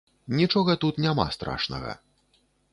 Нічога тут няма страшнага.